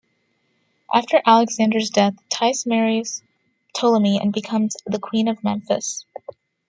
After Alexander's death, Tais marries Ptolemy and becomes the queen of Memphis.